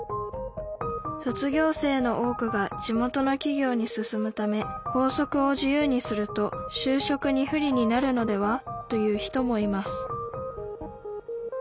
卒業生の多くが地元のきぎょうに進むため「校則を自由にすると就職に不利になるのでは？」という人もいます